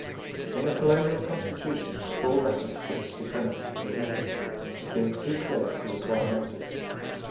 In the colonial Constitutions all reference to this supremacy is omitted as being too clear to require notice.